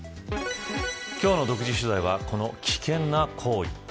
今日の独自取材はこの危険な行為。